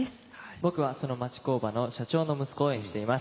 僕は町工場社長の息子を演じています。